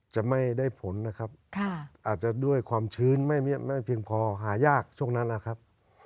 จะไม่ได้ผลนะครับอาจจะด้วยความชื้นไม่เพียงพอหายากช่วงนั้นนะครับ